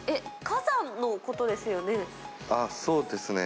火山のことですよね？